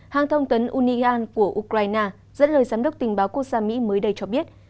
hàng thông tấn unigan của ukraine dẫn lời giám đốc tình báo quốc gia mỹ mới đây cho biết